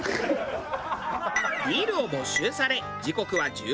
ビールを没収され時刻は１５時。